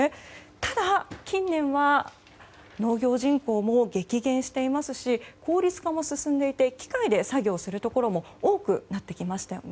ただ、近年は農業人口も激減していますし効率化も進んでいて機械で作業するところも多くなってきましたよね。